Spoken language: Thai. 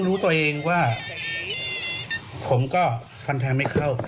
อื้ม